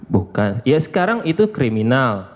bukan ya sekarang itu kriminal